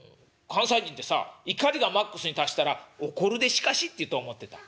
関西人ってさ怒りがマックスに達したら『怒るでしかし』って言うと思ってた」。